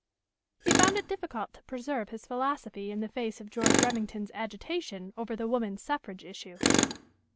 He found it difficult to preserve his philosophy in the face of George Remington's agitation over the woman's suffrage issue.